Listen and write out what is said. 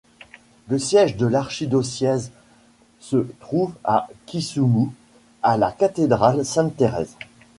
Le siège de l'archidiocèse se trouve à Kisumu, à la cathédrale Sainte-Thérèse.